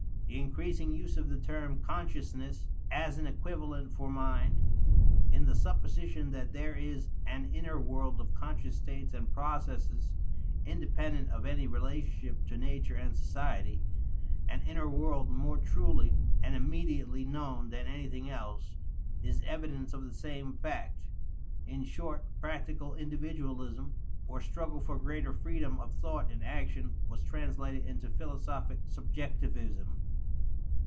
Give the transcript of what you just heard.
The increasing use of the term "consciousness" as an equivalent for mind, in the supposition that there is an inner world of conscious states and processes, independent of any relationship to nature and society, an inner world more truly and immediately known than anything else, is evidence of the same fact. In short, practical individualism, or struggle for greater freedom of thought in action, was translated into philosophic subjectivism.